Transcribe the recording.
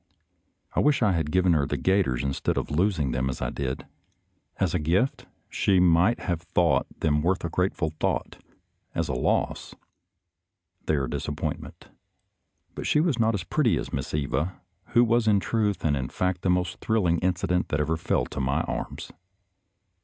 I wish I had given her the gaiters instead of losing them as I did. As a gift she might have thought them worth a grate ful thought — as a loss, they are a disappoint ment. But she was not as pretty as Miss Eva, who was in truth and in fact the most thrilling incident that ever fell to my arms.